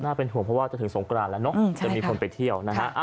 เป็นห่วงเพราะว่าจะถึงสงกรานแล้วเนอะจะมีคนไปเที่ยวนะฮะ